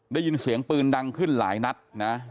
ได้ยินเสียงปืนดังขึ้นหลายนัดนะ